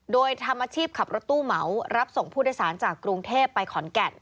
โดยทำอาชีพขับรถตู้เหมารับส่งผู้โดยสารจากกรุงเทพไปขอนแก่น